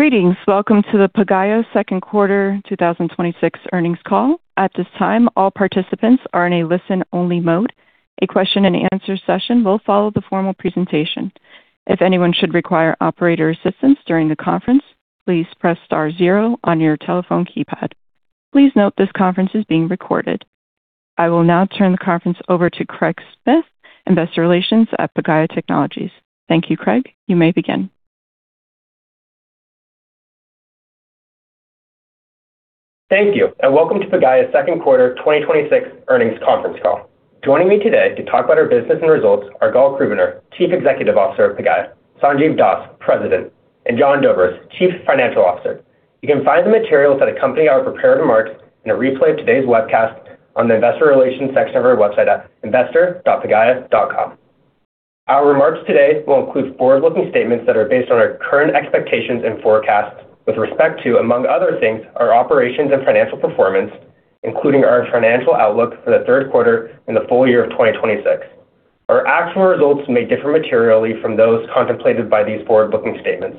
Greetings. Welcome to the Pagaya second quarter 2026 Earnings Call. At this time, all participants are in a listen-only mode. A question and answer session will follow the formal presentation. If anyone should require operator assistance during the conference, please press star zero on your telephone keypad. Please note this conference is being recorded. I will now turn the conference over to Craig Smyth, Head of Investor Relations at Pagaya Technologies. Thank you, Craig. You may begin. Thank you. Welcome to Pagaya's second quarter 2026 earnings conference call. Joining me today to talk about our business and results are Gal Krubiner, Chief Executive Officer of Pagaya, Sanjiv Das, President, and Jon Dobres, Chief Financial Officer. You can find the materials that accompany our prepared remarks in a replay of today's webcast on the investor relations section of our website at investor.pagaya.com. Our remarks today will include forward-looking statements that are based on our current expectations and forecasts with respect to, among other things, our operations and financial performance, including our financial outlook for the third quarter and the full year of 2026. Our actual results may differ materially from those contemplated by these forward-looking statements.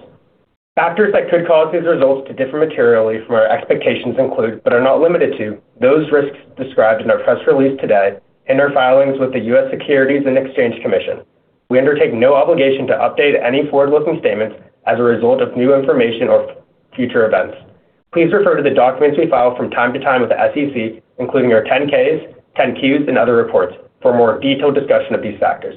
Factors that could cause these results to differ materially from our expectations include, but are not limited to, those risks described in our press release today in our filings with the U.S. Securities and Exchange Commission. We undertake no obligation to update any forward-looking statements as a result of new information or future events. Please refer to the documents we file from time to time with the SEC, including our 10-K, 10-Q, and other reports, for more detailed discussion of these factors.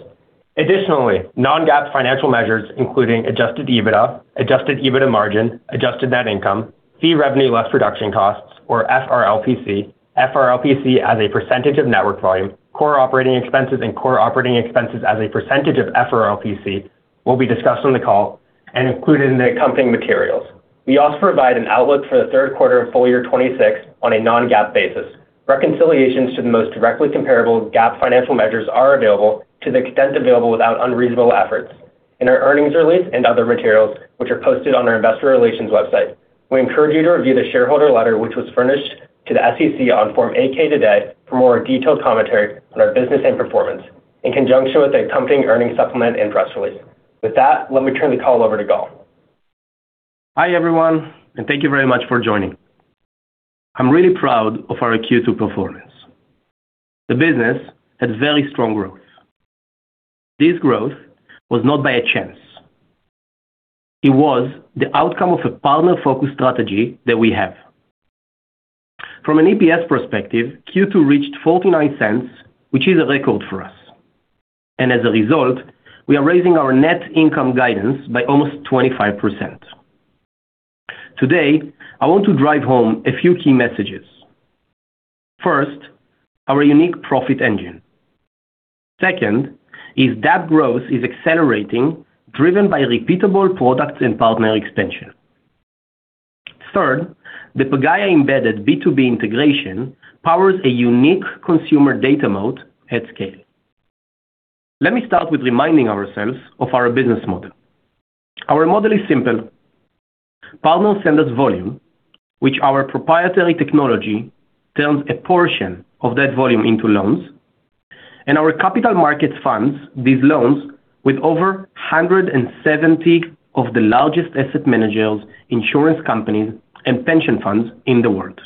Additionally, non-GAAP financial measures, including Adjusted EBITDA, Adjusted EBITDA margin, Adjusted net income, Fee Revenue Less Production Costs, or FRLPC as a percentage of network volume, core operating expenses and core operating expenses as a percentage of FRLPC will be discussed on the call and included in the accompanying materials. We also provide an outlook for the third quarter of full year 2026 on a non-GAAP basis. Reconciliations to the most directly comparable GAAP financial measures are available to the extent available without unreasonable efforts in our earnings release and other materials, which are posted on our investor relations website. We encourage you to review the shareholder letter, which was furnished to the SEC on Form 8-K today for more detailed commentary on our business and performance in conjunction with the accompanying earnings supplement and press release. With that, let me turn the call over to Gal. Hi everyone, thank you very much for joining. I'm really proud of our Q2 performance. The business had very strong growth. This growth was not by chance. It was the outcome of a partner-focused strategy that we have. From an EPS perspective, Q2 reached $0.49, which is a record for us. As a result, we are raising our net income guidance by almost 25%. Today, I want to drive home a few key messages. First, our unique profit engine. Second is that growth is accelerating, driven by repeatable products and partner expansion. Third, the Pagaya embedded B2B integration powers a unique consumer data moat at scale. Let me start with reminding ourselves of our business model. Our model is simple. Partners send us volume, which our proprietary technology turns a portion of that volume into loans. Our capital markets funds these loans with over 170 of the largest asset managers, insurance companies, and pension funds in the world.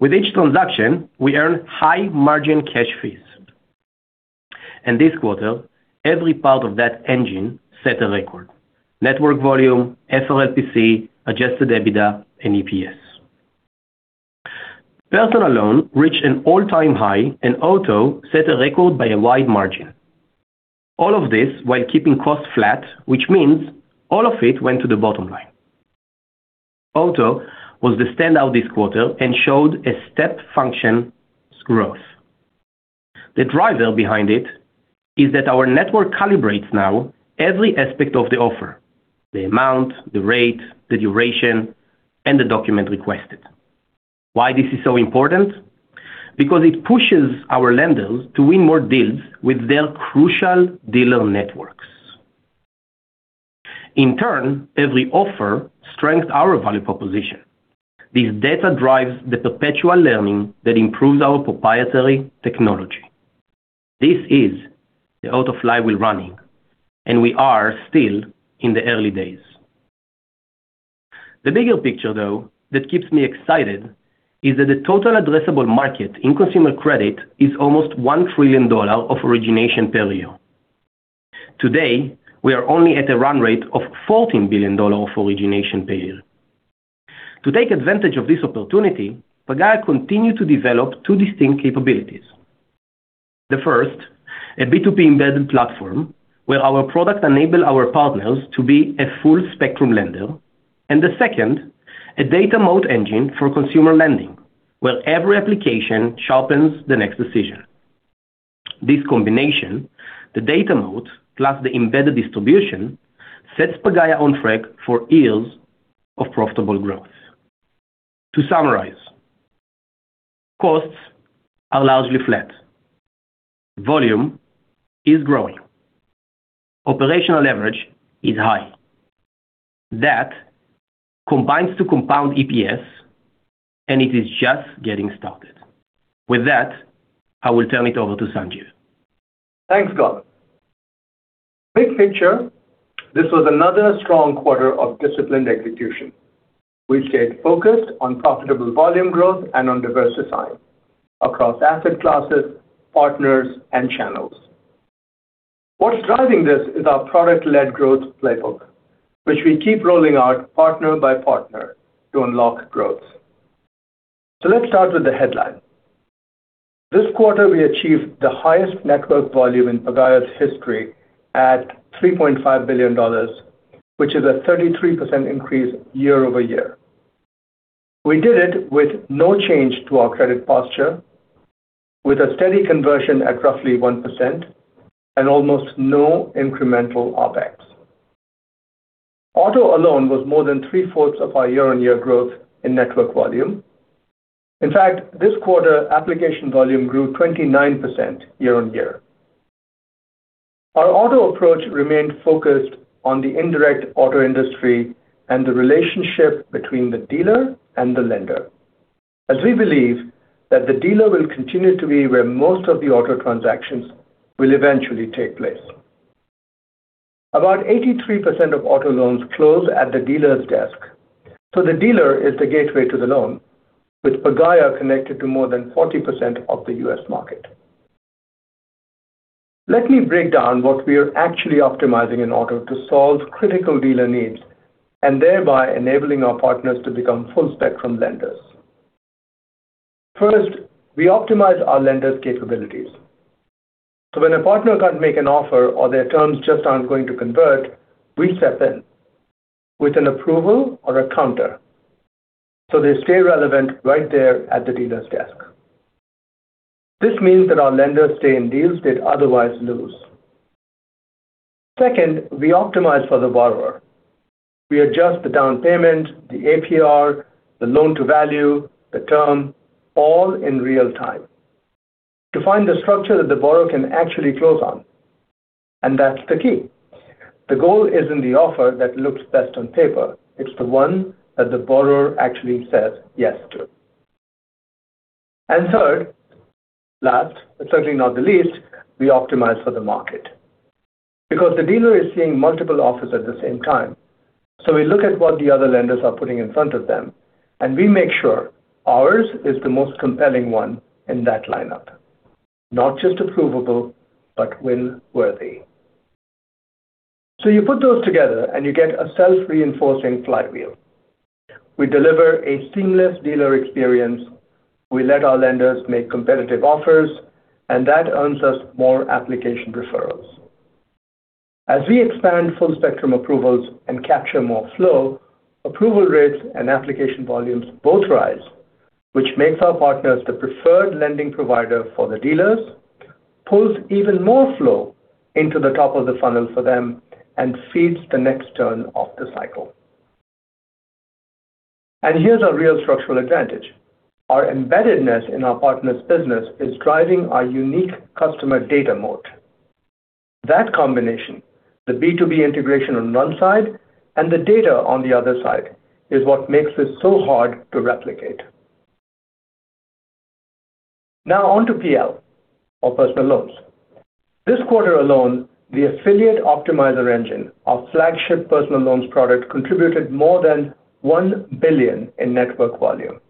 With each transaction, we earn high-margin cash fees. This quarter, every part of that engine set a record. Network volume, FRLPC, Adjusted EBITDA, and EPS. Personal loan reached an all-time high, and auto set a record by a wide margin. All of this while keeping costs flat, which means all of it went to the bottom line. Auto was the standout this quarter and showed a step function growth. The driver behind it is that our network calibrates now every aspect of the offer, the amount, the rate, the duration, and the document requested. Why this is so important? It pushes our lenders to win more deals with their crucial dealer networks. In turn, every offer strengthens our value proposition. This data drives the perpetual learning that improves our proprietary technology. This is the auto flywheel running. We are still in the early days. The bigger picture, though, that keeps me excited is that the total addressable market in consumer credit is almost $1 trillion of origination per year. Today, we are only at a run rate of $14 billion of origination per year. To take advantage of this opportunity, Pagaya continue to develop two distinct capabilities. The first, a B2B embedded platform, where our product enable our partners to be a full-spectrum lender. The second, a data moat engine for consumer lending, where every application sharpens the next decision. This combination, the data moat plus the embedded distribution, sets Pagaya on track for years of profitable growth. To summarize, costs are largely flat. Volume is growing. Operational leverage is high. That combines to compound EPS, it is just getting started. With that, I will turn it over to Sanjiv. Thanks, Gal. Big picture, this was another strong quarter of disciplined execution. We stayed focused on profitable volume growth and on diversifying across asset classes, partners, and channels. What's driving this is our product-led growth playbook, which we keep rolling out partner by partner to unlock growth. Let's start with the headline. This quarter, we achieved the highest network volume in Pagaya's history at $3.5 billion, which is a 33% increase year-over-year. We did it with no change to our credit posture, with a steady conversion at roughly 1% and almost no incremental OPEX. Auto alone was more than 3/4 of our year-on-year growth in network volume. In fact, this quarter, application volume grew 29% year-on-year. Our auto approach remained focused on the indirect auto industry and the relationship between the dealer and the lender. We believe that the dealer will continue to be where most of the auto transactions will eventually take place. About 83% of auto loans close at the dealer's desk, the dealer is the gateway to the loan, with Pagaya connected to more than 40% of the U.S. market. Let me break down what we are actually optimizing in auto to solve critical dealer needs, and thereby enabling our partners to become full-spectrum lenders. First, we optimize our lender's capabilities. When a partner can't make an offer or their terms just aren't going to convert, we step in with an approval or a counter, they stay relevant right there at the dealer's desk. This means that our lenders stay in deals they'd otherwise lose. Second, we optimize for the borrower. We adjust the down payment, the APR, the loan-to-value, the term, all in real time to find the structure that the borrower can actually close on, and that's the key. The goal isn't the offer that looks best on paper, it's the one that the borrower actually says yes to. Third, last, but certainly not the least, we optimize for the market because the dealer is seeing multiple offers at the same time. We look at what the other lenders are putting in front of them, and we make sure ours is the most compelling one in that lineup. Not just approvable, but win-worthy. You put those together and you get a self-reinforcing flywheel. We deliver a seamless dealer experience, we let our lenders make competitive offers, and that earns us more application referrals. We expand full-spectrum approvals and capture more flow, approval rates and application volumes both rise, which makes our partners the preferred lending provider for the dealers, pulls even more flow into the top of the funnel for them, and feeds the next turn of the cycle. Here's our real structural advantage. Our embeddedness in our partner's business is driving our unique customer data moat. That combination, the B2B integration on one side and the data on the other side, is what makes this so hard to replicate. Now on to PL, or personal loans. This quarter alone, the Affiliate Optimizer Engine, our flagship personal loans product, contributed more than 1 billion in network volume.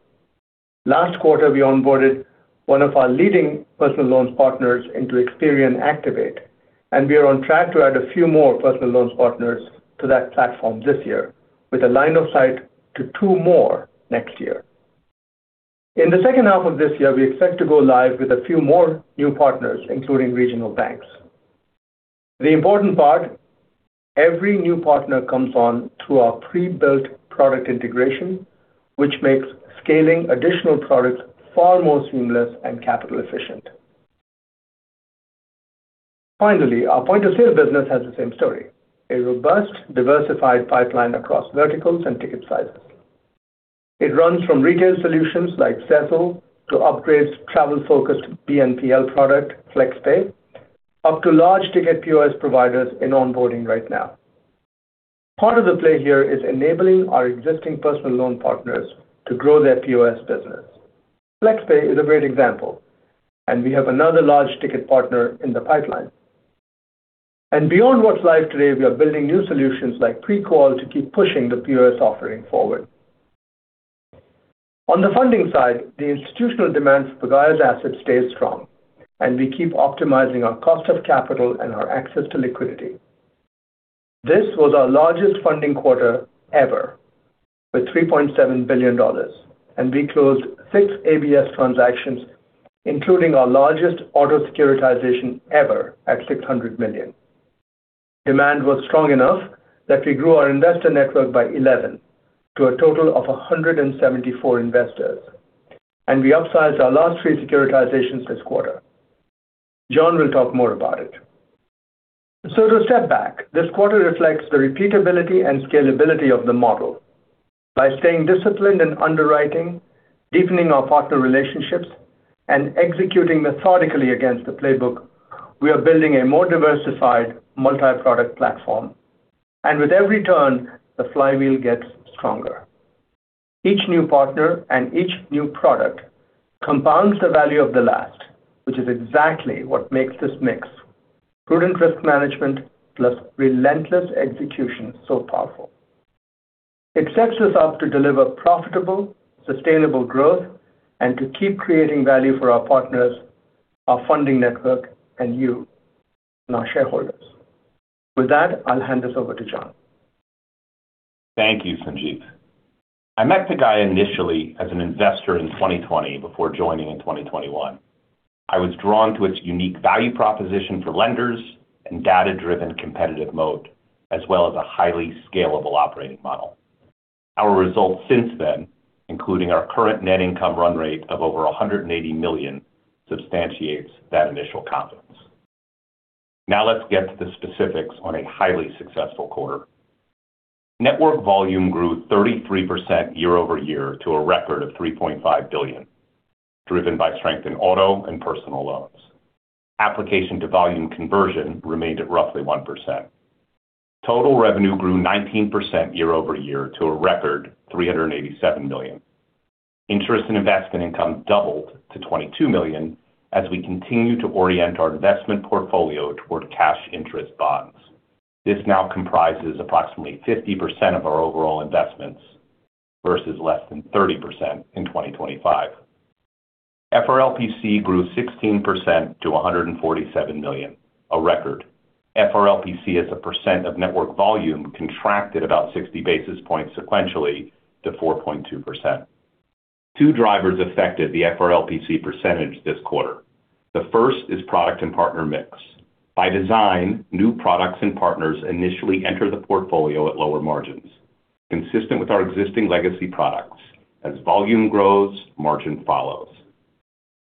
Last quarter, we onboarded one of our leading personal loans partners into Experian Activate, and we are on track to add a few more personal loans partners to that platform this year with a line of sight to two more next year. In the second half of this year, we expect to go live with a few more new partners, including regional banks. The important part. Every new partner comes on through our pre-built product integration, which makes scaling additional products far more seamless and capital efficient. Finally, our point-of-sale business has the same story, a robust, diversified pipeline across verticals and ticket sizes. It runs from retail solutions like Sezzle to Upgrade's travel-focused BNPL product, Flex Pay, up to large ticket POS providers in onboarding right now. Part of the play here is enabling our existing personal loan partners to grow their POS business. Flex Pay is a great example. We have another large ticket partner in the pipeline. Beyond what's live today, we are building new solutions like pre-qual to keep pushing the POS offering forward. On the funding side, the institutional demand for Pagaya's assets stays strong, and we keep optimizing our cost of capital and our access to liquidity. This was our largest funding quarter ever, with $3.7 billion, and we closed six ABS transactions, including our largest auto securitization ever at $600 million. Demand was strong enough that we grew our investor network by 11 to a total of 174 investors, and we upsized our last three securitizations this quarter. Jon will talk more about it. To step back, this quarter reflects the repeatability and scalability of the model. By staying disciplined in underwriting, deepening our partner relationships, and executing methodically against the playbook, we are building a more diversified multi-product platform. With every turn, the flywheel gets stronger. Each new partner and each new product compounds the value of the last, which is exactly what makes this mix, prudent risk management plus relentless execution, so powerful. It sets us up to deliver profitable, sustainable growth and to keep creating value for our partners, our funding network, and you, our shareholders. With that, I'll hand this over to Jon. Thank you, Sanjiv. I met Pagaya initially as an investor in 2020 before joining in 2021. I was drawn to its unique value proposition for lenders and data-driven competitive mode, as well as a highly scalable operating model. Our results since then, including our current net income run rate of over $180 million, substantiates that initial confidence. Let's get to the specifics on a highly successful quarter. Network volume grew 33% year-over-year to a record of $3.5 billion, driven by strength in auto and personal loans. Application to volume conversion remained at roughly 1%. Total revenue grew 19% year-over-year to a record $387 million. Interest in investment income doubled to $22 million, as we continue to orient our investment portfolio toward cash interest bonds. This now comprises approximately 50% of our overall investments versus less than 30% in 2025. FRLPC grew 16% to $147 million, a record. FRLPC as a percent of network volume contracted about 60 basis points sequentially to 4.2%. Two drivers affected the FRLPC percentage this quarter. The first is product and partner mix. By design, new products and partners initially enter the portfolio at lower margins. Consistent with our existing legacy products, as volume grows, margin follows.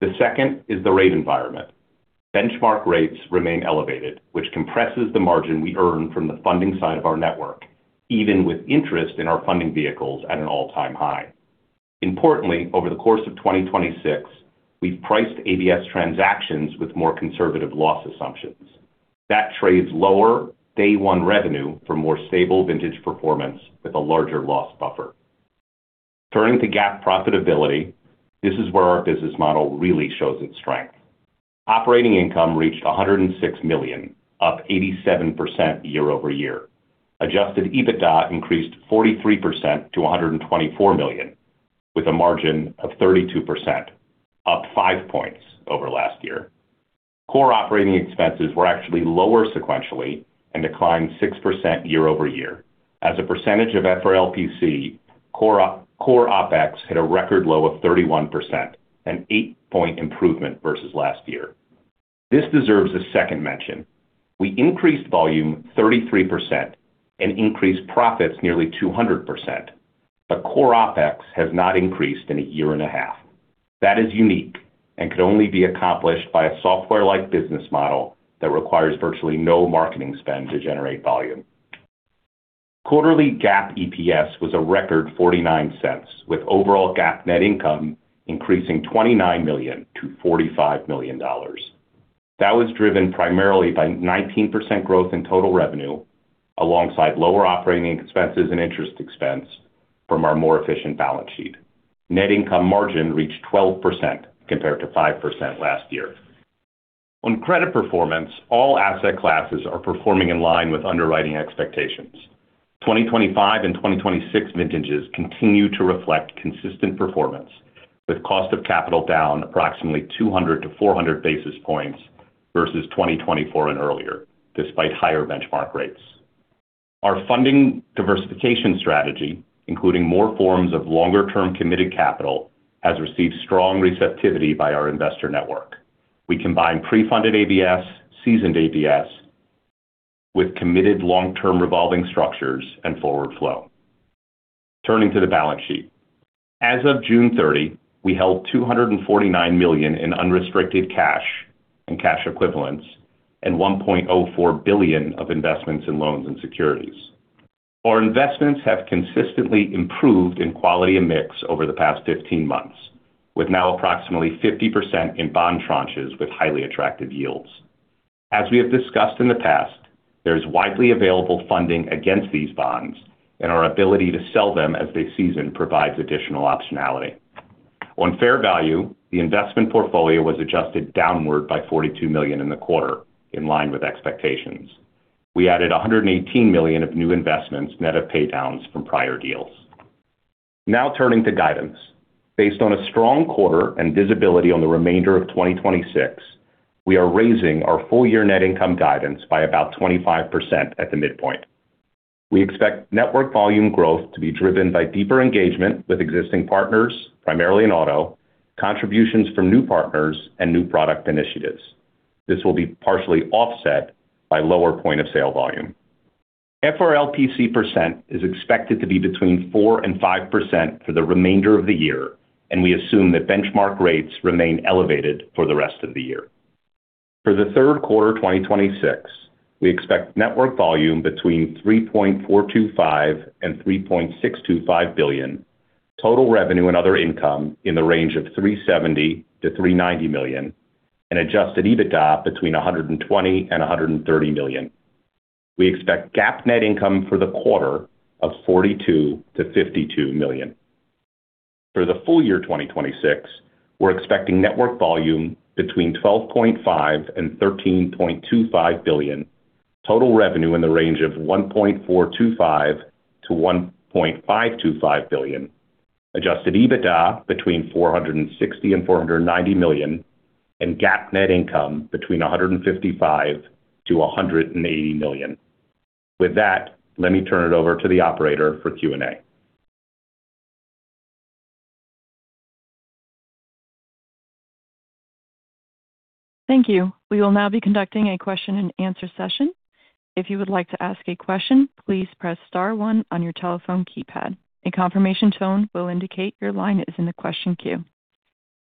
The second is the rate environment. Benchmark rates remain elevated, which compresses the margin we earn from the funding side of our network, even with interest in our funding vehicles at an all-time high. Importantly, over the course of 2026, we've priced ABS transactions with more conservative loss assumptions. That trades lower day one revenue for more stable vintage performance with a larger loss buffer. Turning to GAAP profitability, this is where our business model really shows its strength. Operating income reached $106 million, up 87% year-over-year. Adjusted EBITDA increased 43% to $124 million, with a margin of 32%, up five points over last year. Core operating expenses were actually lower sequentially and declined 6% year-over-year. As a percentage of FRLPC, core OPEX hit a record low of 31%, an eight-point improvement versus last year. This deserves a second mention. We increased volume 33% and increased profits nearly 200%, but core OPEX has not increased in a year and a half. That is unique and could only be accomplished by a software-like business model that requires virtually no marketing spend to generate volume. Quarterly GAAP EPS was a record $0.49, with overall GAAP net income increasing $29 million to $45 million. That was driven primarily by 19% growth in total revenue alongside lower operating expenses and interest expense from our more efficient balance sheet. Net income margin reached 12% compared to 5% last year. On credit performance, all asset classes are performing in line with underwriting expectations. 2025 and 2026 vintages continue to reflect consistent performance with cost of capital down approximately 200-400 basis points versus 2024 and earlier, despite higher benchmark rates. Our funding diversification strategy, including more forms of longer-term committed capital, has received strong receptivity by our investor network. We combine pre-funded ABS, seasoned ABS with committed long-term revolving structures and forward flow. Turning to the balance sheet. As of June 30, we held $249 million in unrestricted cash and cash equivalents and $1.04 billion of investments in loans and securities. Our investments have consistently improved in quality and mix over the past 15 months, with now approximately 50% in bond tranches with highly attractive yields. As we have discussed in the past, there is widely available funding against these bonds, and our ability to sell them as they season provides additional optionality. On fair value, the investment portfolio was adjusted downward by $42 million in the quarter, in line with expectations. We added $118 million of new investments net of paydowns from prior deals. Now turning to guidance. Based on a strong quarter and visibility on the remainder of 2026, we are raising our full year net income guidance by about 25% at the midpoint. We expect network volume growth to be driven by deeper engagement with existing partners, primarily in auto, contributions from new partners, and new product initiatives. This will be partially offset by lower point-of-sale volume. FRLPC percent is expected to be between 4%-5% for the remainder of the year. We assume that benchmark rates remain elevated for the rest of the year. For the third quarter 2026, we expect network volume between $3.425 billion and $3.625 billion, total revenue and other income in the range of $370 million-$390 million, and Adjusted EBITDA between $120 million and $130 million. We expect GAAP net income for the quarter of $42 million-$52 million. For the full year 2026, we're expecting network volume between $12.5 billion and $13.25 billion, total revenue in the range of $1.425 billion-$1.525 billion, Adjusted EBITDA between $460 million and $490 million, and GAAP net income between $155 million-$180 million. Let me turn it over to the operator for Q&A. Thank you. We will now be conducting a question and answer session. If you would like to ask a question, please press star one on your telephone keypad. A confirmation tone will indicate your line is in the question queue.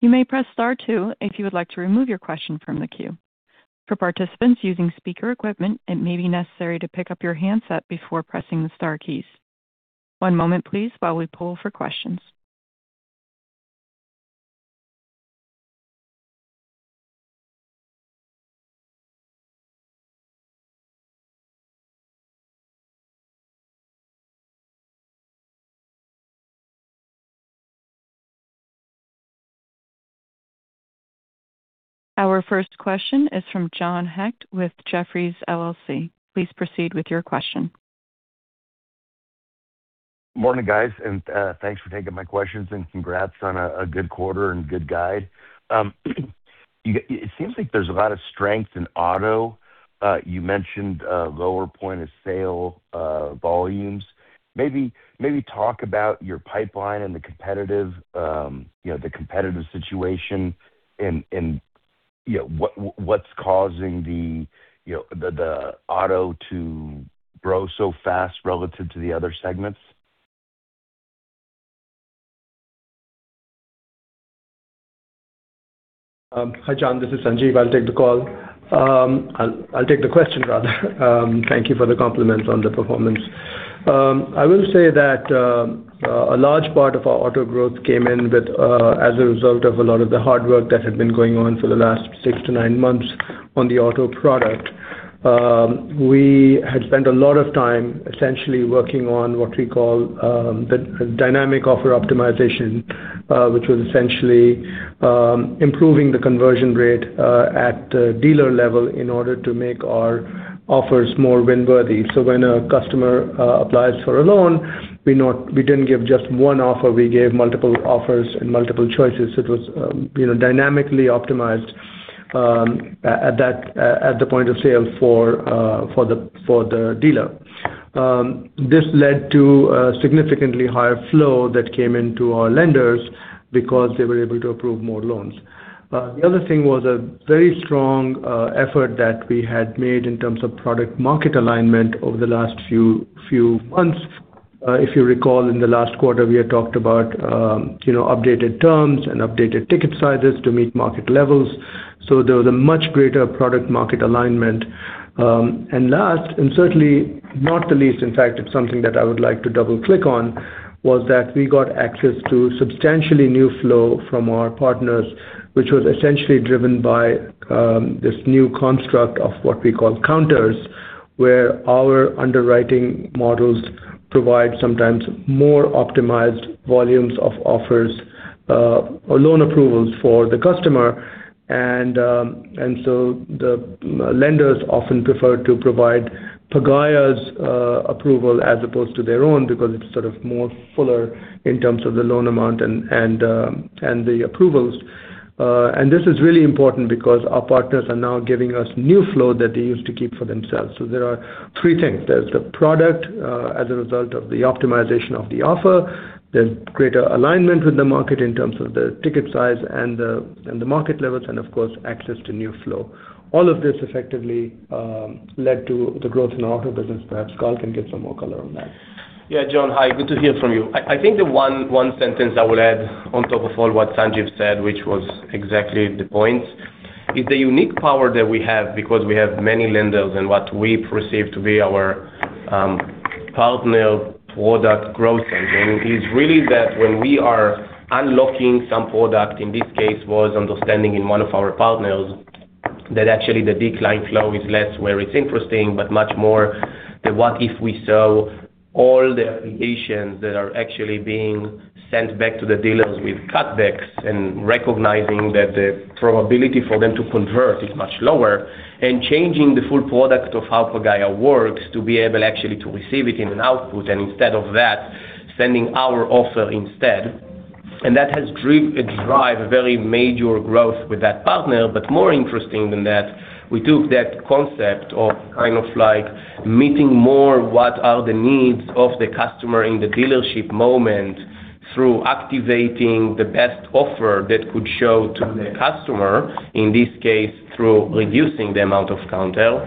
You may press star two if you would like to remove your question from the queue. For participants using speaker equipment, it may be necessary to pick up your handset before pressing the star keys. One moment, please, while we poll for questions. Our first question is from John Hecht with Jefferies LLC. Please proceed with your question. Morning, guys. Thanks for taking my questions, and congrats on a good quarter and good guide. It seems like there's a lot of strength in auto. You mentioned lower point-of-sale volumes. Maybe talk about your pipeline and the competitive situation and what's causing the auto to grow so fast relative to the other segments. Hi, John. This is Sanjiv. I'll take the call. I'll take the question, rather. Thank you for the compliment on the performance. I will say that a large part of our auto growth came in as a result of a lot of the hard work that had been going on for the last six to nine months on the auto product. We had spent a lot of time essentially working on what we call the dynamic offer optimization, which was essentially improving the conversion rate at the dealer level in order to make our offers more win-worthy. When a customer applies for a loan, we didn't give just one offer, we gave multiple offers and multiple choices. It was dynamically optimized at the point of sale for the dealer. This led to a significantly higher flow that came into our lenders because they were able to approve more loans. The other thing was a very strong effort that we had made in terms of product market alignment over the last few months. If you recall, in the last quarter, we had talked about updated terms and updated ticket sizes to meet market levels. There was a much greater product market alignment. Last, and certainly not the least, in fact, it's something that I would like to double-click on, was that we got access to substantially new flow from our partners, which was essentially driven by this new construct of what we call counters, where our underwriting models provide sometimes more optimized volumes of offers or loan approvals for the customer. The lenders often prefer to provide Pagaya's approval as opposed to their own because it's sort of more fuller in terms of the loan amount and the approvals. This is really important because our partners are now giving us new flow that they used to keep for themselves. There are three things. There's the product as a result of the optimization of the offer, there's greater alignment with the market in terms of the ticket size and the market levels, and of course, access to new flow. All of this effectively led to the growth in the auto business. Perhaps Gal can give some more color on that. Yeah. John, hi. Good to hear from you. I think the one sentence I would add on top of all what Sanjiv said, which was exactly the point, is the unique power that we have because we have many lenders and what we perceive to be our partner product growth engine is really that when we are unlocking some product, in this case, was understanding in one of our partners that actually the decline flow is less where it's interesting, but much more the what if we sell all the applications that are actually being sent back to the dealers with cutbacks and recognizing that the probability for them to convert is much lower and changing the full product of how Pagaya works to be able actually to receive it in an output and instead of that, sending our offer instead. That has driven a very major growth with that partner. More interesting than that, we took that concept of kind of like meeting more what are the needs of the customer in the dealership moment through activating the best offer that could show to the customer, in this case, through reducing the amount of counter,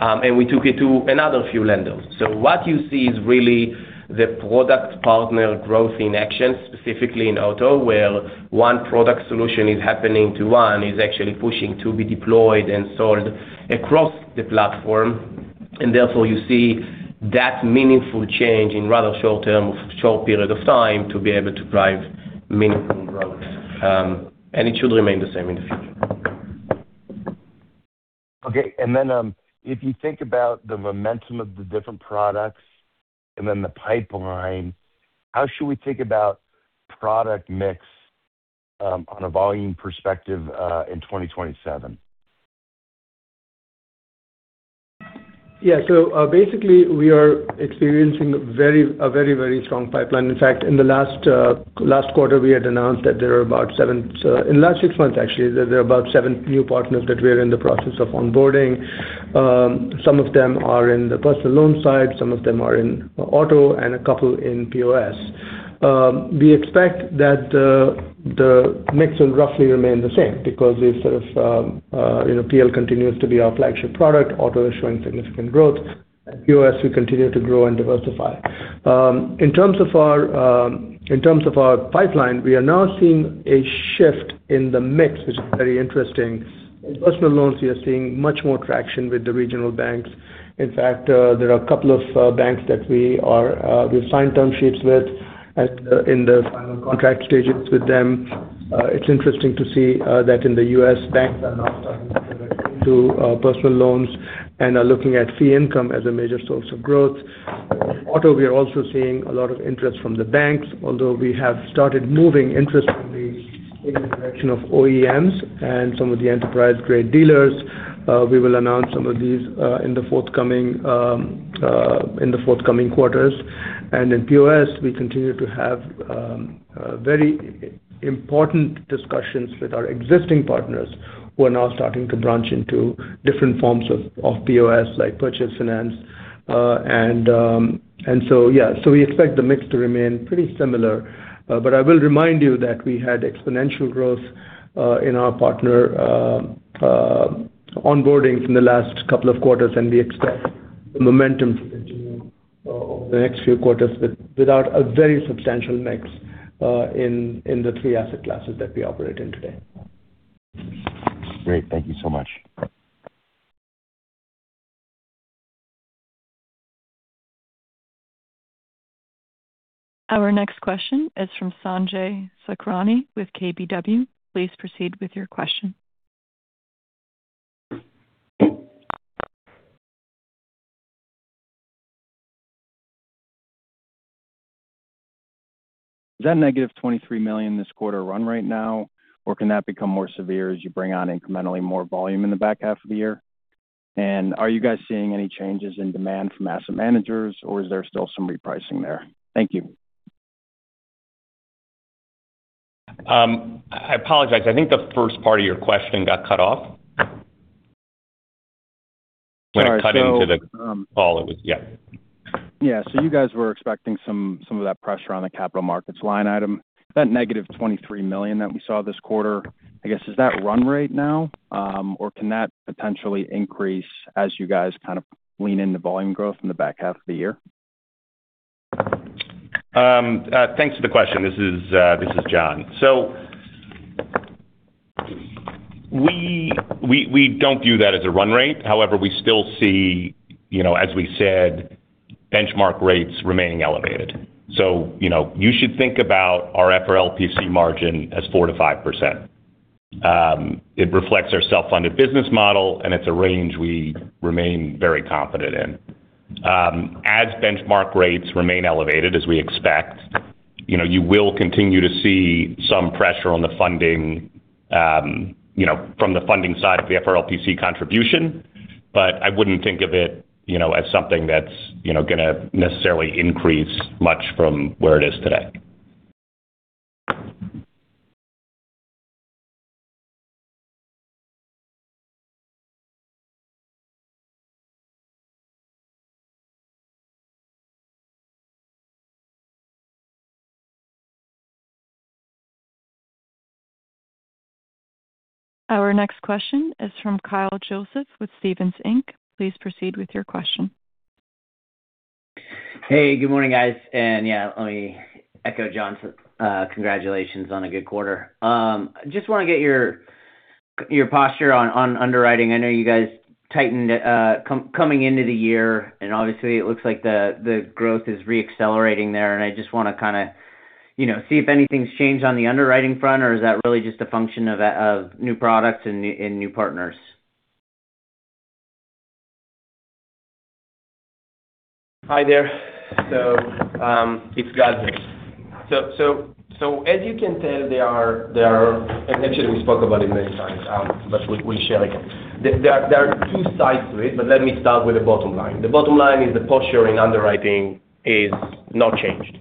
and we took it to another few lenders. What you see is really the product partner growth in action, specifically in auto, where one product solution is happening to one is actually pushing to be deployed and sold across the platform. Therefore, you see that meaningful change in rather short period of time to be able to drive meaningful growth. It should remain the same in the future. Okay. If you think about the momentum of the different products and then the pipeline, how should we think about product mix on a volume perspective in 2027? Yeah. Basically, we are experiencing a very strong pipeline. In fact, in the last quarter, we had announced that in the last six months actually, there are about seven new partners that we are in the process of onboarding. Some of them are in the personal loan side, some of them are in auto, and a couple in POS. We expect that the mix will roughly remain the same because PL continues to be our flagship product. Auto is showing significant growth. At POS, we continue to grow and diversify. In terms of our pipeline, we are now seeing a shift in the mix, which is very interesting. In personal loans, we are seeing much more traction with the regional banks. In fact, there are a couple of banks that we've signed term sheets with, in the final contract stages with them. It's interesting to see that in the U.S., banks are now starting to look into personal loans and are looking at fee income as a major source of growth. Auto, we are also seeing a lot of interest from the banks, although we have started moving interest in the direction of OEMs and some of the enterprise-grade dealers. We will announce some of these in the forthcoming quarters. In POS, we continue to have very important discussions with our existing partners who are now starting to branch into different forms of POS, like purchase finance. Yeah. We expect the mix to remain pretty similar. I will remind you that we had exponential growth in our partner onboarding from the last couple of quarters, and we expect the momentum to continue over the next few quarters with a very substantial mix in the three asset classes that we operate in today. Great. Thank you so much. Our next question is from Sanjay Sakhrani with KBW. Please proceed with your question. Is that -$23 million this quarter run right now, or can that become more severe as you bring on incrementally more volume in the back half of the year? Are you guys seeing any changes in demand from asset managers, or is there still some repricing there? Thank you. I apologize. I think the first part of your question got cut off. Sorry. When it cut into the call, it was yeah. Yeah. You guys were expecting some of that pressure on the capital markets line item. That negative $23 million that we saw this quarter, I guess, is that run rate now? Or can that potentially increase as you guys kind of lean into volume growth in the back half of the year? Thanks for the question. This is Jon. We don't view that as a run rate. However, we still see, as we said, benchmark rates remaining elevated. You should think about our FRLPC margin as 4%-5%. It reflects our self-funded business model, and it's a range we remain very confident in. As benchmark rates remain elevated, as we expect, you will continue to see some pressure from the funding side of the FRLPC contribution. I wouldn't think of it as something that's going to necessarily increase much from where it is today. Our next question is from Kyle Joseph with Stephens Inc. Please proceed with your question. Hey, good morning, guys. Yeah, let me echo John's congratulations on a good quarter. Just want to get your posture on underwriting. I know you guys tightened coming into the year, and obviously it looks like the growth is re-accelerating there, and I just want to kind of see if anything's changed on the underwriting front, or is that really just a function of new products and new partners? Hi there. It's Gal here. As you can tell, there are. Actually, we spoke about it many times, but we'll share again. There are two sides to it. Let me start with the bottom line. The bottom line is the posture in underwriting is not changed.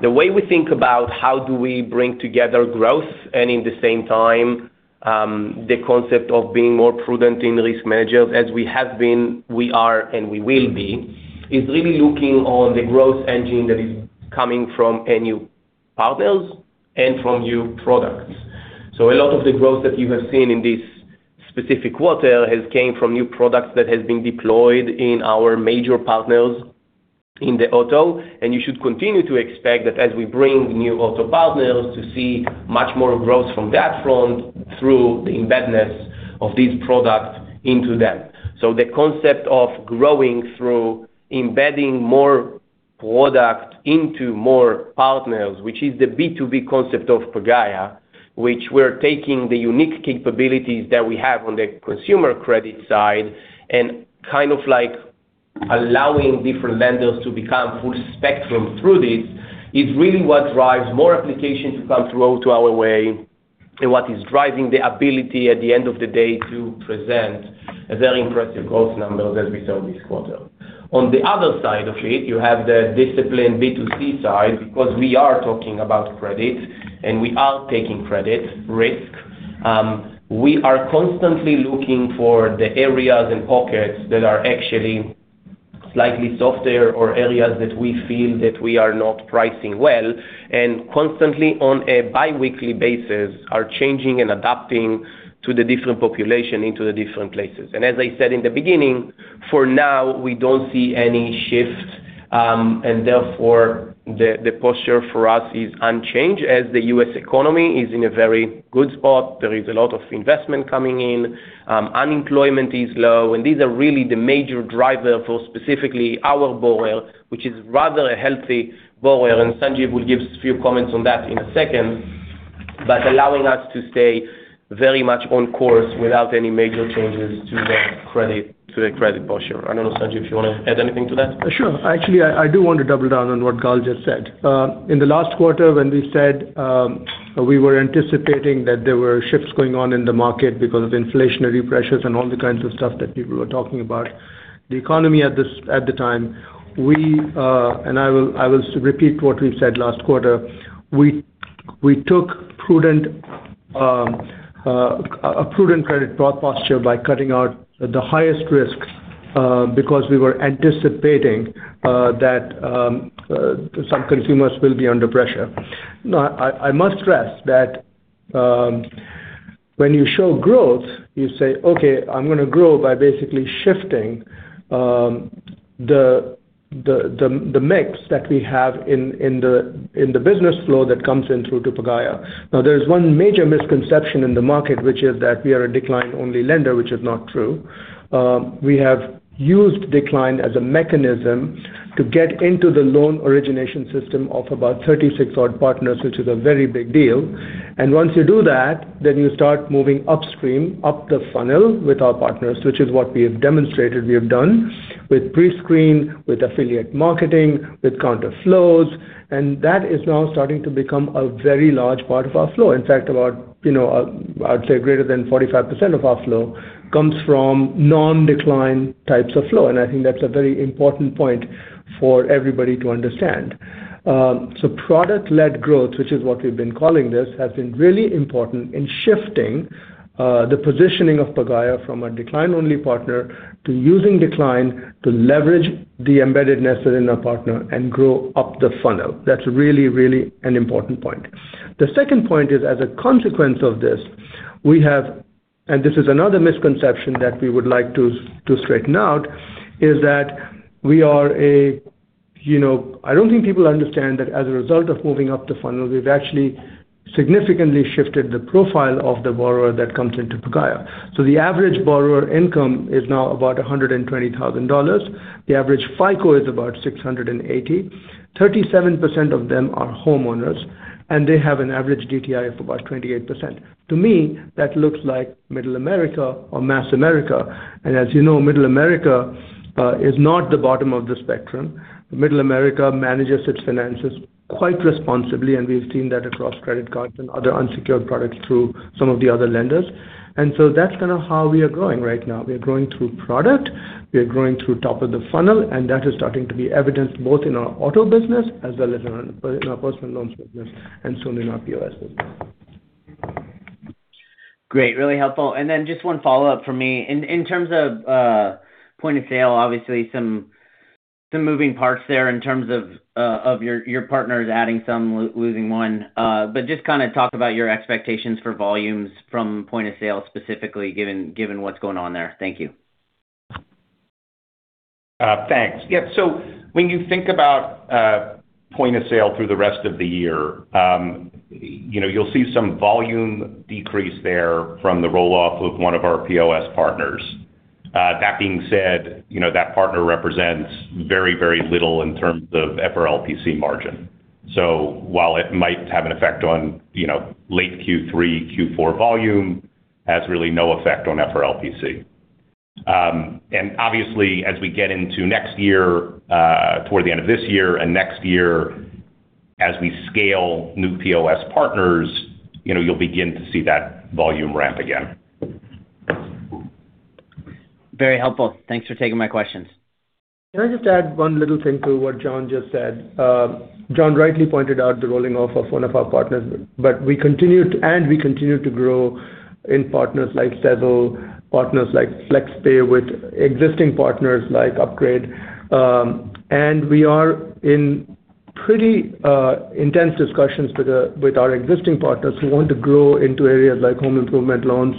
The way we think about how do we bring together growth and at the same time the concept of being more prudent in risk measures as we have been, we are, and we will be, is really looking on the growth engine that is coming from new partners and from new products. A lot of the growth that you have seen in this specific quarter has came from new products that have been deployed in our major partners in the auto. You should continue to expect that as we bring new auto partners to see much more growth from that front through the embedness of these products into them. The concept of growing through embedding more product into more partners, which is the B2B concept of Pagaya, which we're taking the unique capabilities that we have on the consumer credit side and kind of allowing different lenders to become full spectrum through this, is really what drives more applications to come through to our way, and what is driving the ability at the end of the day to present a very impressive growth number as we saw this quarter. On the other side of it, you have the disciplined B2C side because we are talking about credit and we are taking credit risk. We are constantly looking for the areas and pockets that are actually slightly softer or areas that we feel that we are not pricing well, and constantly on a biweekly basis are changing and adapting to the different population into the different places. As I said in the beginning, for now, we don't see any shift. Therefore, the posture for us is unchanged as the U.S. economy is in a very good spot. There is a lot of investment coming in. Unemployment is low, and these are really the major driver for specifically our borrower, which is rather a healthy borrower, and Sanjiv will give few comments on that in a second. Allowing us to stay very much on course without any major changes to the credit posture. I don't know, Sanjiv, if you want to add anything to that? Sure. Actually, I do want to double down on what Gal just said. In the last quarter when we said we were anticipating that there were shifts going on in the market because of inflationary pressures and all the kinds of stuff that people were talking about, the economy at the time, I will repeat what we said last quarter, we took a prudent credit posture by cutting out the highest risks because we were anticipating that some consumers will be under pressure. Now, I must stress that when you show growth, you say, "Okay, I'm going to grow by basically shifting the mix that we have in the business flow that comes in through to Pagaya." There's one major misconception in the market, which is that we are a decline-only lender, which is not true. We have used decline as a mechanism to get into the loan origination system of about 36 odd partners, which is a very big deal. Once you do that, then you start moving upstream, up the funnel with our partners, which is what we have demonstrated we have done with pre-screen, with affiliate marketing, with counter flows, that is now starting to become a very large part of our flow. In fact, about I'd say greater than 45% of our flow comes from non-decline types of flow. I think that's a very important point for everybody to understand. Product-led growth, which is what we've been calling this, has been really important in shifting the positioning of Pagaya from a decline-only partner to using decline to leverage the embeddedness within our partner and grow up the funnel. That's really an important point. The second point is as a consequence of this is another misconception that we would like to straighten out, is that I don't think people understand that as a result of moving up the funnel, we've actually significantly shifted the profile of the borrower that comes into Pagaya. The average borrower income is now about $120,000. The average FICO is about 680. 37% of them are homeowners, and they have an average DTI of about 28%. To me, that looks like Middle America or Mass America. As you know, Middle America is not the bottom of the spectrum. Middle America manages its finances quite responsibly, and we've seen that across credit cards and other unsecured products through some of the other lenders. That's kind of how we are growing right now. We're growing through product. We're growing through top of the funnel, that is starting to be evidenced both in our auto business as well as in our personal loans business, and soon in our POS business. Great. Really helpful. Just one follow-up from me. In terms of point-of-sale, obviously some moving parts there in terms of your partners adding some, losing one. Just kind of talk about your expectations for volumes from point-of-sale specifically given what's going on there. Thank you. Thanks. Yeah. When you think about point-of-sale through the rest of the year, you'll see some volume decrease there from the roll-off of one of our POS partners. That being said, that partner represents very little in terms of FRLPC margin. While it might have an effect on late Q3, Q4 volume, has really no effect on FRLPC. Obviously, as we get into next year, toward the end of this year and next year, as we scale new POS partners, you'll begin to see that volume ramp again. Very helpful. Thanks for taking my questions. Can I just add one little thing to what Jon just said? Jon rightly pointed out the rolling off of one of our partners and we continue to grow in partners like Sezzle, partners like Flex Pay, with existing partners like Upgrade. We are in pretty intense discussions with our existing partners who want to grow into areas like home improvement loans,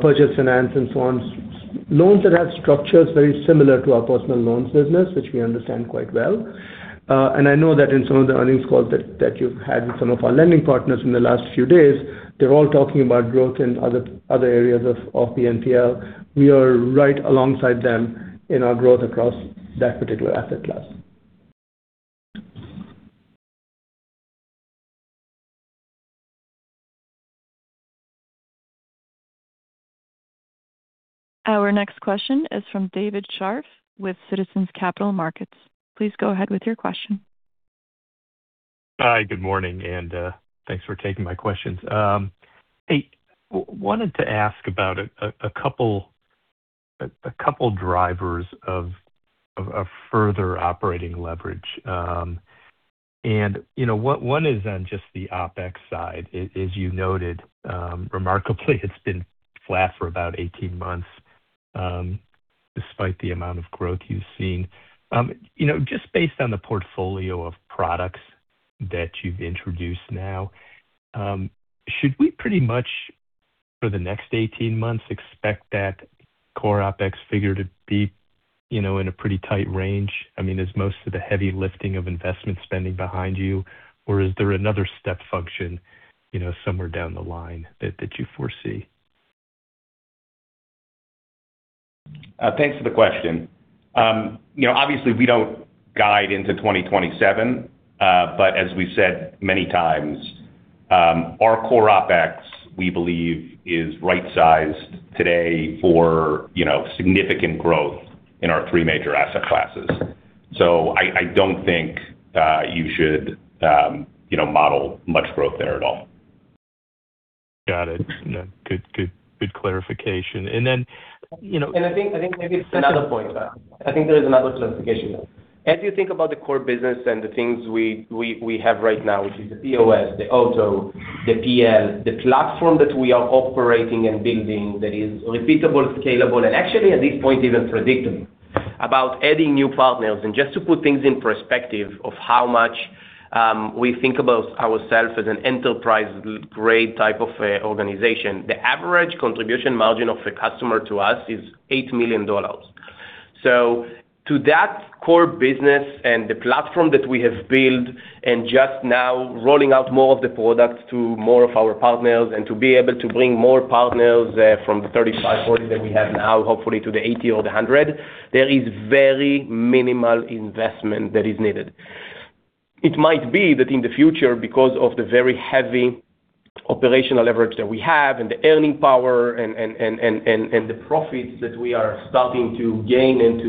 purchase finance and so on. Loans that have structures very similar to our personal loans business, which we understand quite well. I know that in some of the earnings calls that you've had with some of our lending partners in the last few days, they're all talking about growth in other areas of the P&L. We are right alongside them in our growth across that particular asset class. Our next question is from David Scharf with Citizens Capital Markets. Please go ahead with your question. Hi, good morning, thanks for taking my questions. Hey, wanted to ask about a couple drivers of further operating leverage. One is on just the OpEx side. As you noted, remarkably it's been flat for about 18 months, despite the amount of growth you've seen. Just based on the portfolio of products that you've introduced now, should we pretty much for the next 18 months expect that core OpEx figure to be in a pretty tight range? I mean, is most of the heavy lifting of investment spending behind you, or is there another step function somewhere down the line that you foresee? Thanks for the question. Obviously we don't guide into 2027. As we've said many times, our core OpEx, we believe, is right-sized today for significant growth in our three major asset classes. I don't think you should model much growth there at all. Got it. Good clarification. I think maybe it's another point. I think there is another clarification there. As you think about the core business and the things we have right now, which is the POS, the auto, the P&L, the platform that we are operating and building that is repeatable, scalable, and actually at this point even predictable, about adding new partners. Just to put things in perspective of how much we think about ourself as an enterprise-grade type of organization, the average contribution margin of a customer to us is $8 million. To that core business and the platform that we have built and just now rolling out more of the products to more of our partners and to be able to bring more partners from the 35, 40 that we have now, hopefully to the 80 or the 100, there is very minimal investment that is needed. It might be that in the future, because of the very heavy operational leverage that we have and the earning power and the profits that we are starting to gain and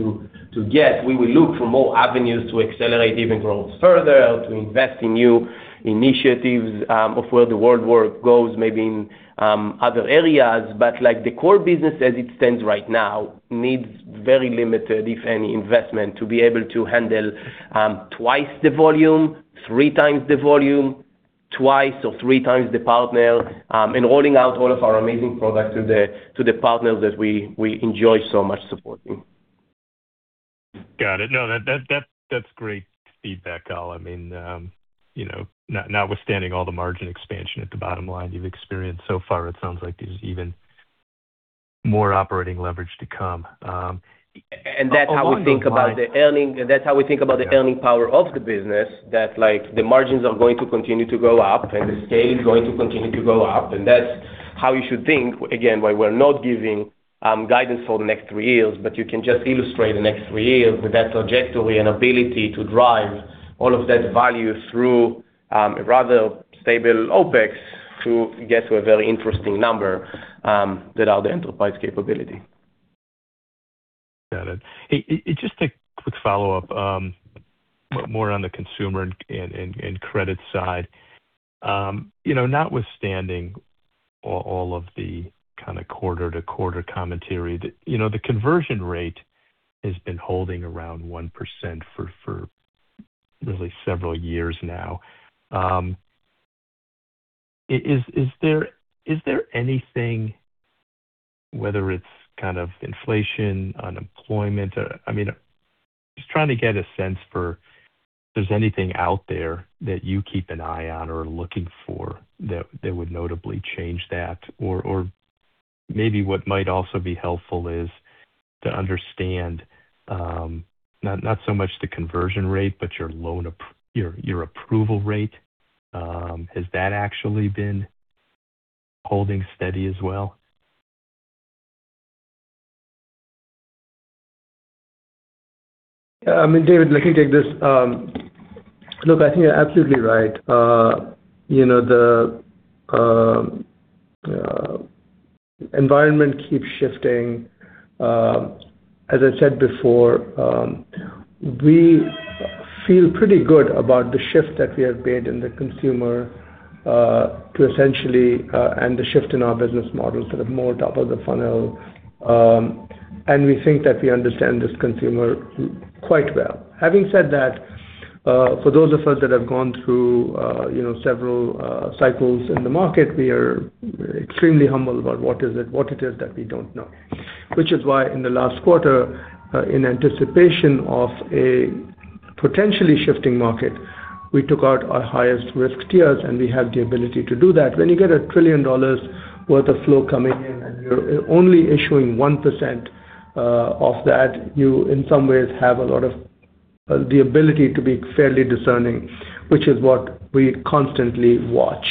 to get, we will look for more avenues to accelerate even growth further or to invest in new initiatives of where the world work goes, maybe in other areas. The core business as it stands right now needs very limited, if any, investment to be able to handle twice the volume, three times the volume, twice or three times the partner, and rolling out all of our amazing products to the partners that we enjoy so much supporting. Got it. No, that's great feedback, Gal. Notwithstanding all the margin expansion at the bottom line you've experienced so far, it sounds like there's even more operating leverage to come. That's how we think about the earning power of the business, that the margins are going to continue to go up and the scale is going to continue to go up. That's how you should think. Again, while we're not giving guidance for the next three years, but you can just illustrate the next three years with that trajectory and ability to drive all of that value through a rather stable OpEx to get to a very interesting number that are the enterprise capability. Got it. Just a quick follow-up, more on the consumer and credit side. Notwithstanding all of the kind of quarter-to-quarter commentary, the conversion rate has been holding around 1% for really several years now. Is there anything, whether it's kind of inflation, unemployment. I mean, just trying to get a sense for if there's anything out there that you keep an eye on or are looking for that would notably change that? Or maybe what might also be helpful is to understand not so much the conversion rate, but your approval rate. Has that actually been holding steady as well? I mean, David, let me take this. Look, I think you're absolutely right. The environment keeps shifting. As I said before, we feel pretty good about the shift that we have made in the consumer to essentially the shift in our business model to the more top of the funnel. We think that we understand this consumer quite well. Having said that, for those of us that have gone through several cycles in the market, we are extremely humble about what it is that we don't know. Which is why in the last quarter, in anticipation of a potentially shifting market, we took out our highest risk tiers, and we have the ability to do that. When you get $1 trillion worth of flow coming in and you're only issuing 1% of that, you in some ways have a lot of the ability to be fairly discerning, which is what we constantly watch.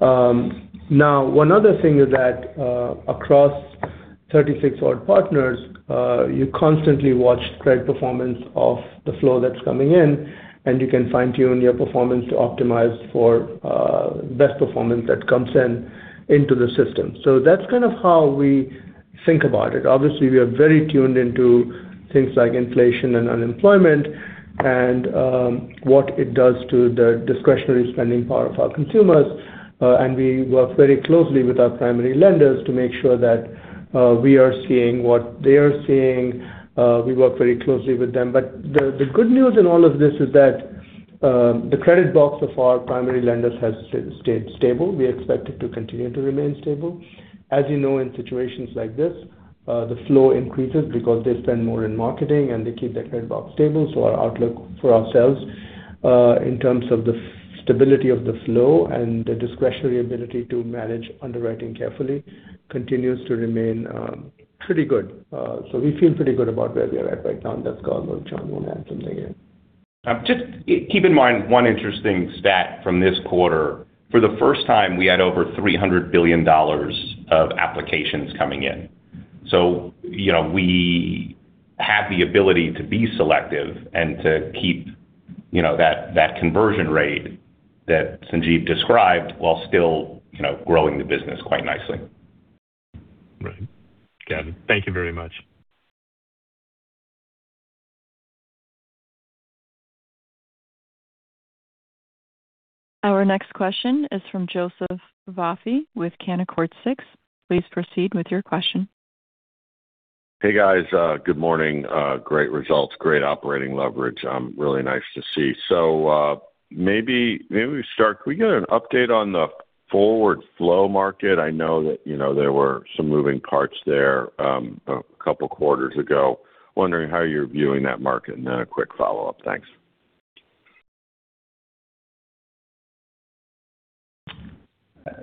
Now, one other thing is that across 36 odd partners, you constantly watch credit performance of the flow that's coming in, and you can fine-tune your performance to optimize for best performance that comes into the system. That's kind of how we think about it. Obviously, we are very tuned into things like inflation and unemployment and what it does to the discretionary spending power of our consumers. We work very closely with our primary lenders to make sure that we are seeing what they are seeing. We work very closely with them. The good news in all of this is that the credit box of our primary lenders has stayed stable. We expect it to continue to remain stable. As you know, in situations like this, the flow increases because they spend more in marketing, and they keep their credit box stable. Our outlook for ourselves, in terms of the stability of the flow and the discretionary ability to manage underwriting carefully, continues to remain pretty good. We feel pretty good about where we are at right now. That's Gal or Jon will add something in. Just keep in mind one interesting stat from this quarter. For the first time, we had over $300 billion of applications coming in. We have the ability to be selective and to keep that conversion rate that Sanjiv described while still growing the business quite nicely. Right. Got it. Thank you very much. Our next question is from Joseph Vafi with Canaccord Genuity. Please proceed with your question. Hey, guys. Good morning. Great results. Great operating leverage. Really nice to see. Maybe we start, can we get an update on the forward flow market? I know that there were some moving parts there, a couple of quarters ago. Wondering how you're viewing that market. Then a quick follow-up. Thanks.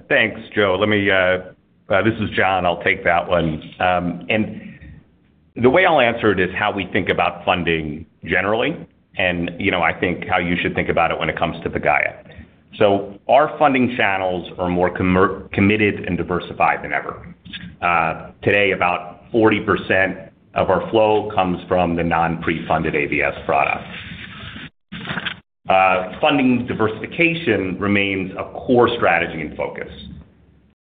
Thanks, Joe. This is Jon. I'll take that one. The way I'll answer it is how we think about funding generally, and I think how you should think about it when it comes to Pagaya. Our funding channels are more committed and diversified than ever. Today, about 40% of our flow comes from the non-pre-funded ABS product. Funding diversification remains a core strategy and focus.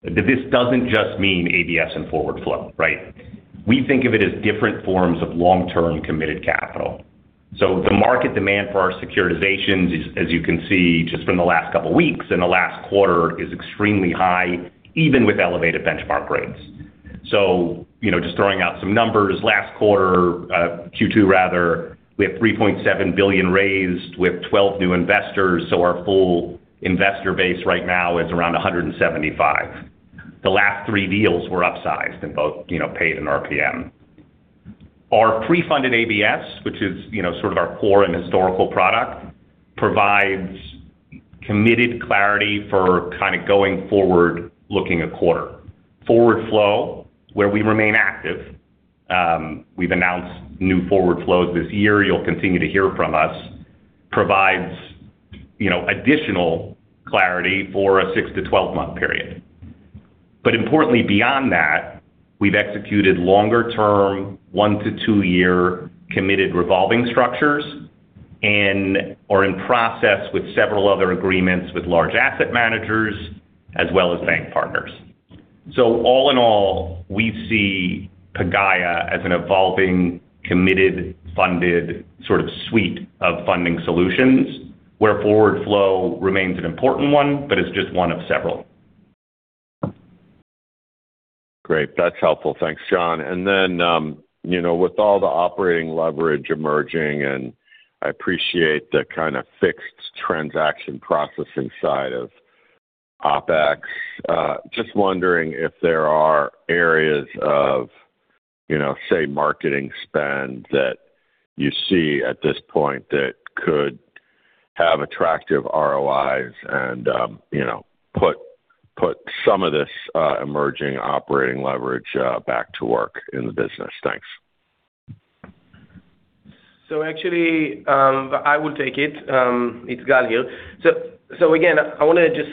This doesn't just mean ABS and forward flow, right? We think of it as different forms of long-term committed capital. The market demand for our securitizations, as you can see just from the last couple of weeks and the last quarter, is extremely high, even with elevated benchmark rates. Just throwing out some numbers, last quarter, Q2 rather, we have $3.7 billion raised with 12 new investors. Our full investor base right now is around 175. The last three deals were upsized in both paid and RPM. Our pre-funded ABS, which is sort of our core and historical product, provides committed clarity for kind of going forward, looking a quarter. Forward flow, where we remain active, we've announced new forward flows this year, you'll continue to hear from us, provides additional clarity for a 6 to 12-month period. Importantly, beyond that, we've executed longer-term, one-to-two-year committed revolving structures and are in process with several other agreements with large asset managers as well as bank partners. All in all, we see Pagaya as an evolving, committed, funded sort of suite of funding solutions where forward flow remains an important one, but it's just one of several. Great. That's helpful. Thanks, Jon. Then, with all the operating leverage emerging, and I appreciate the kind of fixed transaction processing side of OpEx, just wondering if there are areas of say, marketing spend that you see at this point that could have attractive ROIs and put some of this emerging operating leverage back to work in the business. Thanks. Actually, I will take it. It's Gal here. Again, I want to just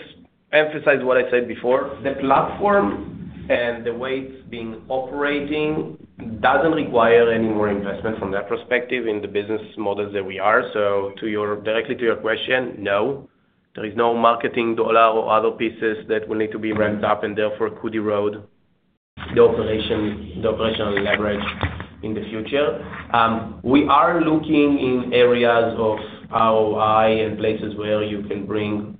emphasize what I said before. The platform and the way it's been operating doesn't require any more investment from that perspective in the business models that we are. Directly to your question, no. There is no marketing dollar or other pieces that will need to be ramped up and therefore could erode the operational leverage in the future. We are looking in areas of ROI and places where you can bring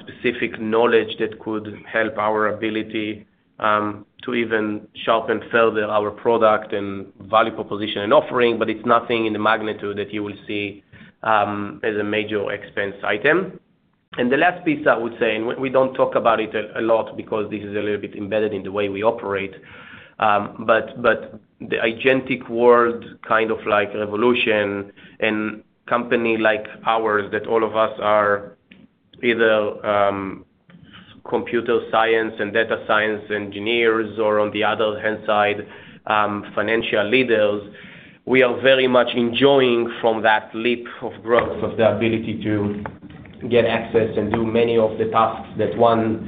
specific knowledge that could help our ability to even sharpen further our product and value proposition and offering, but it's nothing in the magnitude that you will see as a major expense item. The last piece I would say, and we don't talk about it a lot because this is a little bit embedded in the way we operate, but the agentic world kind of like revolution and company like ours, that all of us are either computer science and data science engineers or on the other hand side, financial leaders. We are very much enjoying from that leap of growth. Get access and do many of the tasks that once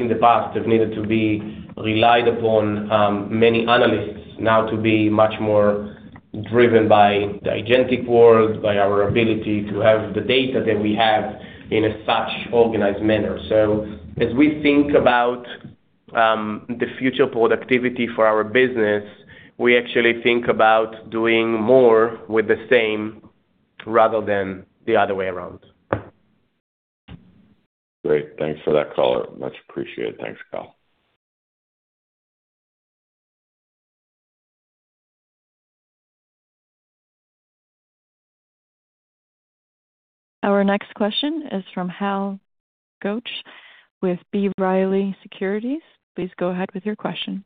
in the past have needed to be relied upon many analysts now to be much more driven by the agentic world, by our ability to have the data that we have in a such organized manner. As we think about the future productivity for our business, we actually think about doing more with the same rather than the other way around. Great. Thanks for that color. Much appreciated. Thanks. Bye. Our next question is from Hal Goetsch with B. Riley Securities. Please go ahead with your question.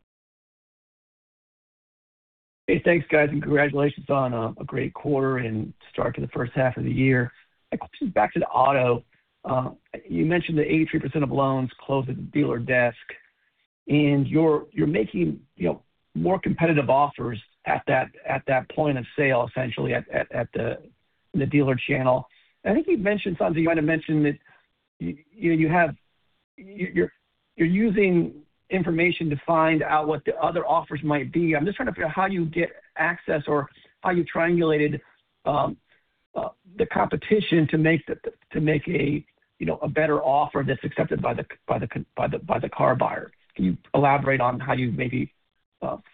Hey, thanks guys, congratulations on a great quarter and start to the first half of the year. My question is back to the auto. You mentioned that 83% of loans close at the dealer desk and you're making more competitive offers at that point-of-sale, essentially at the dealer channel. I think you mentioned, Sanjiv, you might have mentioned that you're using information to find out what the other offers might be. I'm just trying to figure how you get access or how you triangulated the competition to make a better offer that's accepted by the car buyer. Can you elaborate on how you maybe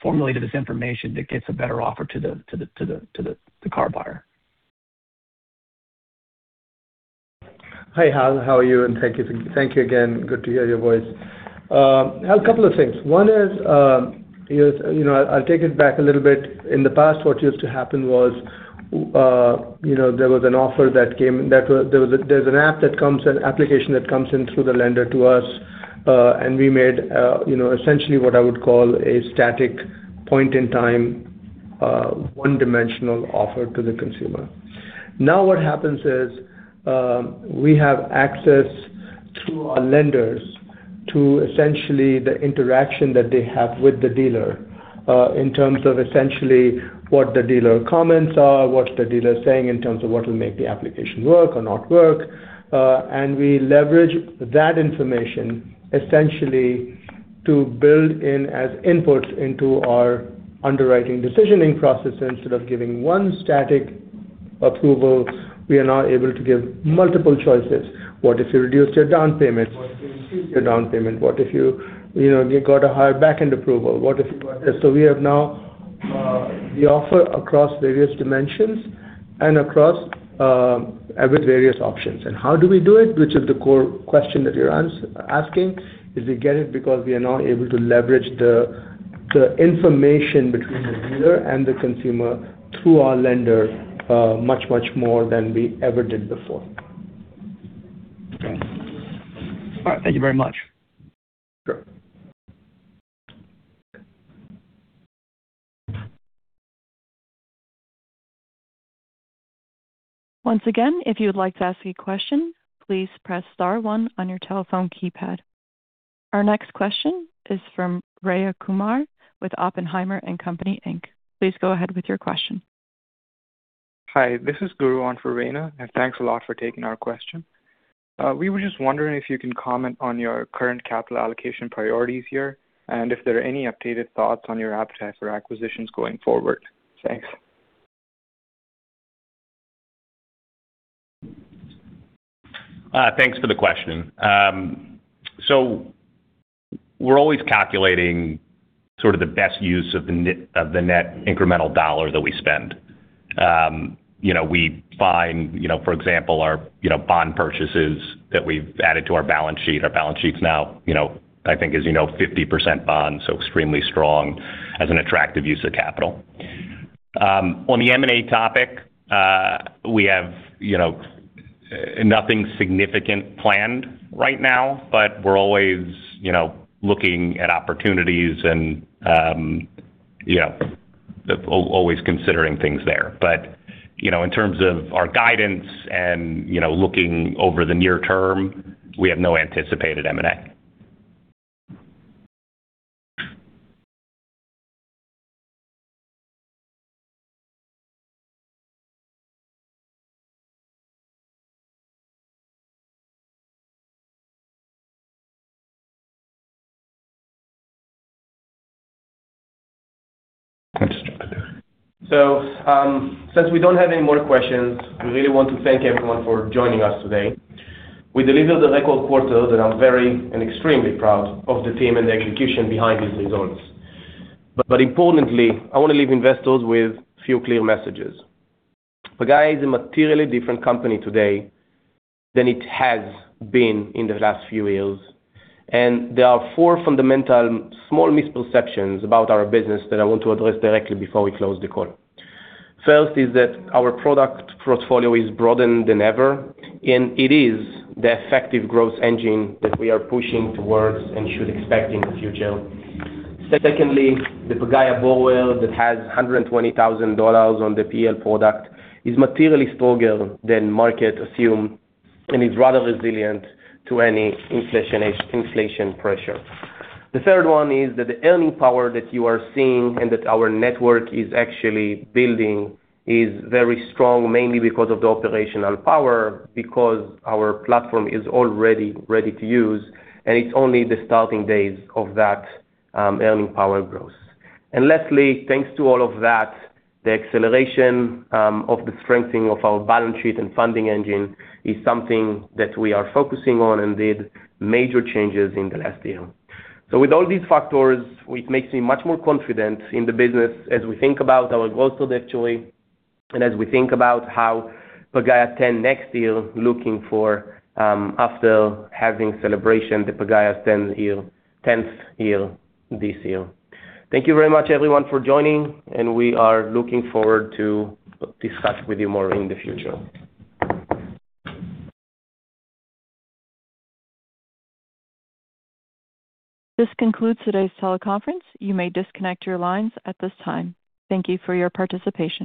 formulated this information that gets a better offer to the car buyer? Hi, Hal. How are you? Thank you again. Good to hear your voice. Hal, a couple of things. One is I'll take it back a little bit. In the past, what used to happen was there's an app that comes, an application that comes in through the lender to us. We made essentially what I would call a static point in time, one-dimensional offer to the consumer. Now what happens is, we have access through our lenders to essentially the interaction that they have with the dealer, in terms of essentially what the dealer comments are, what the dealer is saying in terms of what will make the application work or not work. We leverage that information essentially to build in as input into our underwriting decisioning process. Instead of giving one static approval, we are now able to give multiple choices. What if you reduced your down payment, what if you increased your down payment? What if you got a higher backend approval? What if you got this? We offer across various dimensions and across various options. How do we do it? Which is the core question that you're asking, is we get it because we are now able to leverage the information between the dealer and the consumer through our lender much, much more than we ever did before. Okay. All right. Thank you very much. Sure. Once again, if you would like to ask any question, please press star one on your telephone keypad. Our next question is from Rayna Kumar with Oppenheimer & Co Inc. Please go ahead with your question. Hi. This is Guru on for Rayna, thanks a lot for taking our question. We were just wondering if you can comment on your current capital allocation priorities here, if there are any updated thoughts on your appetite for acquisitions going forward. Thanks. Thanks for the question. We're always calculating sort of the best use of the net incremental dollar that we spend. We find, for example, our bond purchases that we've added to our balance sheet. Our balance sheet's now, I think, as you know, 50% bonds, extremely strong as an attractive use of capital. On the M&A topic, we have nothing significant planned right now, but we're always looking at opportunities and always considering things there. In terms of our guidance and looking over the near term, we have no anticipated M&A. Since we don't have any more questions, we really want to thank everyone for joining us today. We delivered a record quarter that I'm very and extremely proud of the team and the execution behind these results. Importantly, I want to leave investors with few clear messages. Pagaya is a materially different company today than it has been in the last few years. There are four fundamental small misperceptions about our business that I want to address directly before we close the call. First is that our product portfolio is broader than ever, and it is the effective growth engine that we are pushing towards and should expect in the future. Secondly, the Pagaya borrower that has $120,000 on the P&L product is materially stronger than market assumes and is rather resilient to any inflation pressure. The third one is that the earning power that you are seeing and that our network is actually building is very strong, mainly because of the operational power, because our platform is already ready to use and it's only the starting days of that earning power growth. Lastly, thanks to all of that, the acceleration of the strengthening of our balance sheet and funding engine is something that we are focusing on and did major changes in the last year. With all these factors, it makes me much more confident in the business as we think about our growth trajectory and as we think about how Pagaya's 10th next year looking for after having celebration the Pagaya's 10th year this year. Thank you very much everyone for joining, and we are looking forward to discuss with you more in the future. This concludes today's teleconference. You may disconnect your lines at this time. Thank you for your participation.